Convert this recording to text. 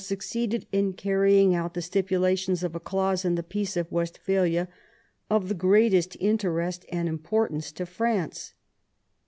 succeeded in carrying out the stipulations of a clause in the Peace of Westphalia of the greatest interest and importance to France.